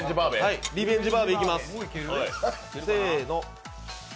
リベンジバーベいきます。